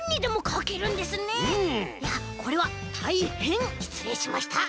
いやこれはたいへんしつれいしました。